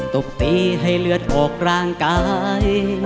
ตบตีให้เลือดออกร่างกาย